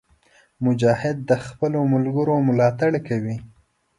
مجاهد د خپلو ملګرو ملاتړ کوي.